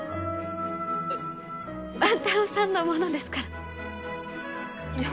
万太郎さんのものですから。